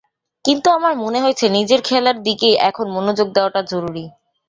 কিন্তু আমার মনে হয়েছে, নিজের খেলার দিকেই এখন মনোযোগ দেওয়াটা জরুরি।